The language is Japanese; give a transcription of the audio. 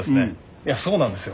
いやそうなんですよ。